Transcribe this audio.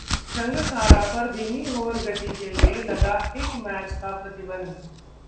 संगकारा पर धीमी ओवर गति के लिये लगा एक मैच का प्रतिबंध